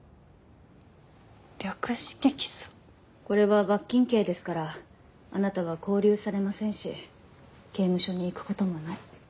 これは罰金刑ですからあなたは勾留されませんし刑務所に行く事もない。